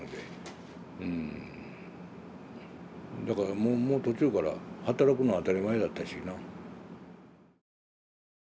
だからもう途中から働くの当たり前だったしな。